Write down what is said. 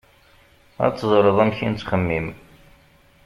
Ad teẓreḍ amek i nettxemmim.